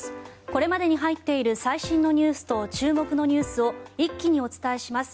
これまでに入っている最新のニュースと注目のニュースを一気にお伝えします。